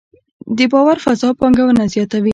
د باور فضا پانګونه زیاتوي؟